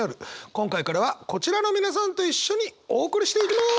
今回からはこちらの皆さんと一緒にお送りしていきます！